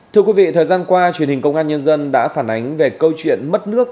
thưa quý vị thời gian qua truyền hình công an nhân dân đã phản ánh về câu chuyện mất nước